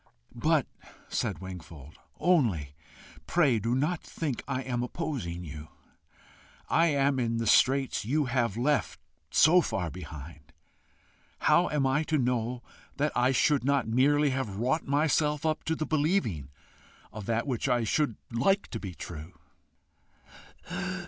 "But," said Wingfold "only pray do not think I am opposing you; I am in the straits you have left so far behind: how am I to know that I should not merely have wrought myself up to the believing of that which I should like to be true?"